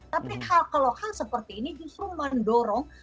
tapi kalau hal seperti ini justru mendorong